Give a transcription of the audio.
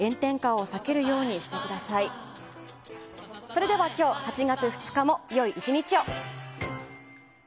それでは今日８月２日も良い１日を。